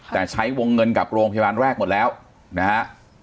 แต่ใช้วงเงินกับโรงพยาบาลแรกหมดแล้วนะฮะ